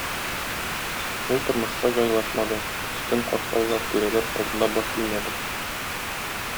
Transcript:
Ул тормышка җайлашмады, өстен катлаулар, түрәләр алдында баш имәде.